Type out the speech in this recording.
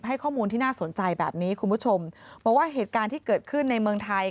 ให้ข้อมูลที่น่าสนใจแบบนี้คุณผู้ชมบอกว่าเหตุการณ์ที่เกิดขึ้นในเมืองไทย